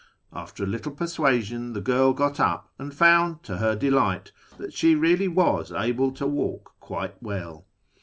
After a little per suasion the girl got up, and found to her delight that she really was able to walk quite well.